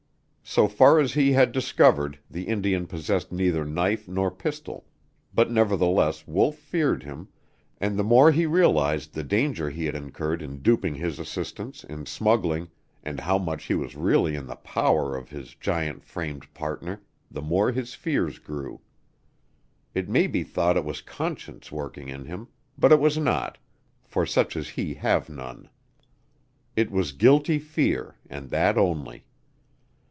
So far as he had discovered, the Indian possessed neither knife nor pistol; but nevertheless Wolf feared him, and the more he realized the danger he had incurred in duping his assistants in smuggling, and how much he was really in the power of his giant framed partner, the more his fears grew. It may be thought it was conscience working in him; but it was not, for such as he have none. It was guilty fear, and that only.